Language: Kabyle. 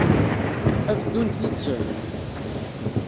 Ad ddunt yid-sen?